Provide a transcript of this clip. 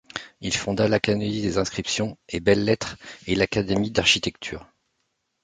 Il fonda l'Académie des inscriptions et belles-lettres, et l'Académie d'architecture.